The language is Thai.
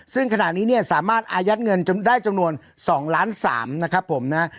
ซึ่งขณะนี้เนี่ยสามารถอายัดเงินได้จำนวน๒ล้าน๓นะครับผมนะ